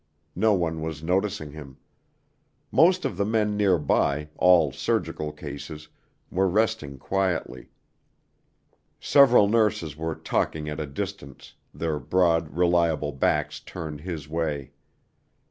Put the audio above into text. No one was noticing him. Most of the men near by, all surgical cases, were resting quietly. Several nurses were talking at a distance, their broad, reliable backs turned his way.